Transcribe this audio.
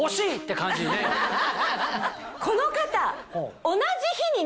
この方。